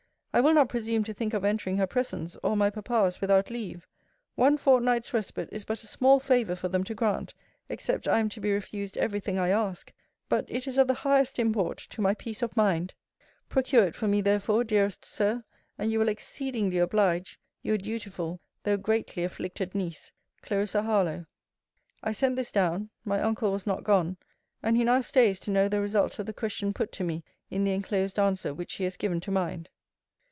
I will not presume to think of entering her presence, or my papa's without leave. One fortnight's respite is but a small favour for them to grant, except I am to be refused every thing I ask; but it is of the highest import to my peace of mind. Procure it for me, therefore, dearest Sir; and you will exceedingly oblige Your dutiful, though greatly afflicted niece, CL. HARLOWE. I sent this down: my uncle was not gone: and he now stays to know the result of the question put to me in the enclosed answer which he has given to mind.